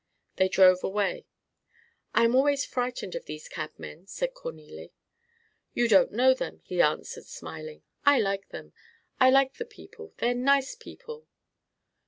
They drove away. "I am always frightened of these cabmen," said Cornélie. "You don't know them," he answered, smiling. "I like them. I like the people. They're nice people."